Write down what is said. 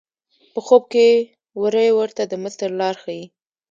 په خوب کې وری ورته د مصر لار ښیي.